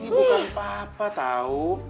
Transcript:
bukan papa tau